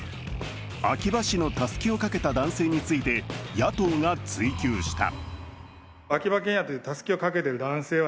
秋葉氏のたすきをかけた男性について野党が追及した。